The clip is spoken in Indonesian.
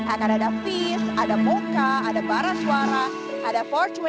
akan ada feast ada muka ada barang suara ada empat ratus dua puluh